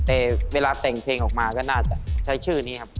แต่เวลาแต่งเพลงออกมาก็น่าจะใช้ชื่อนี้ครับ